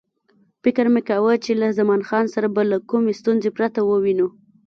فکر مې کاوه چې له خان زمان سره به له کومې ستونزې پرته ووینو.